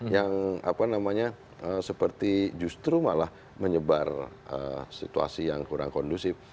yang apa namanya seperti justru malah menyebar situasi yang kurang kondusif